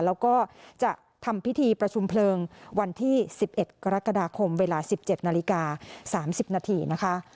แล้วก็จะทำพิธีประชุมเพลิงวันที่๑๑กรกฎาคมเวลา๑๗นาฬิกา๓๐นาทีนะคะ